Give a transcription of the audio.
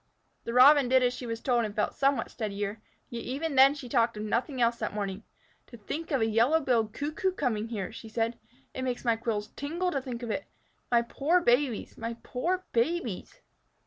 The Robin did as she was told and felt somewhat steadier, yet even then she talked of nothing else that morning. "To think of a Yellow billed Cuckoo coming here!" she said. "It makes my quills tingle to think of it. My poor babies! My poor babies!"